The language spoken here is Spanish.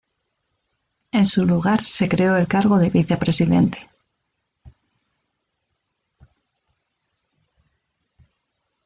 En su lugar se creó el cargo de vicepresidente.